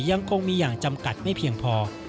ยังคงมีอย่างจำกัดไม่เพียงพอ